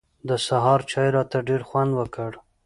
د سهار چای راته ډېر خوند وکړ.